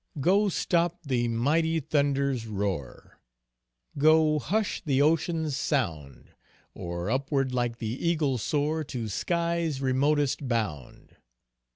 Go stop the mighty thunder's roar, Go hush the ocean's sound, Or upward like the eagle soar To skies' remotest bound.